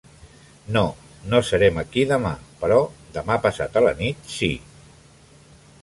No, no serem aquí dema; però demà passat a la nit, sí.